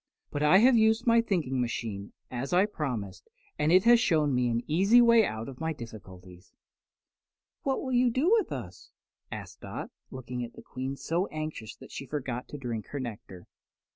"But I have used my thinking machine, as I promised, and it has shown me an easy way out of my difficulties." "What will you do with us?" asked Dot, looking at the Queen so anxiously that she forgot to drink her nectar.